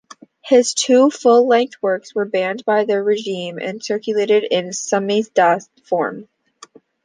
His two full-length works were banned by the regime and circulated in "samizdat" form.